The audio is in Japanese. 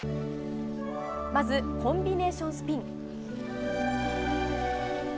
まず、コンビネーションスピン。